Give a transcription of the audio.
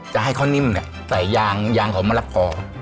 จะให้เขานิ่มเนี่ยใส่ยางยางของมะรับก่อ